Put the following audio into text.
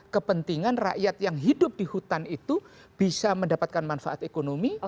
kepentingan rakyat yang hidup di hutan itu bisa mendapatkan manfaat ekonomi